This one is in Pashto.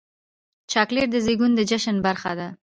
چاکلېټ د زیږون د جشن برخه ده.